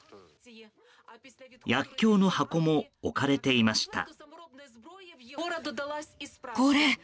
薬きょうの箱も置かれていました。